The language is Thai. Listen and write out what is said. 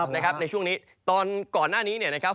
ในช่วงนี้ตอนก่อนหน้านี้เนี่ยนะครับ